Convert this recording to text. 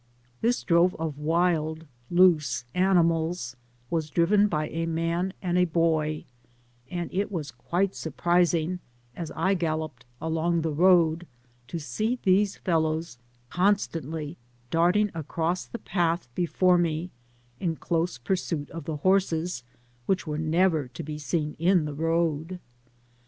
This drove of wild loose animals was driven by a man and a boy, and it was quite surprising, as I galloped along the road, to see these fellows constantly darting across the path be fore me, in close pursuit of the horses, which were never to be seen in the road.